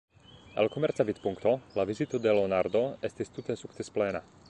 El komerca vidpunkto la vizito de Leonardo estis tute sukcesplena.